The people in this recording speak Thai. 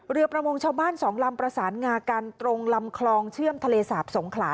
ประมงชาวบ้านสองลำประสานงากันตรงลำคลองเชื่อมทะเลสาบสงขลา